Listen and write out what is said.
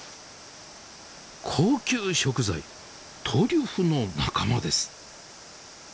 高級食材トリュフの仲間です。